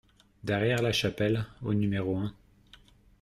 Derrière La Chapelle au numéro un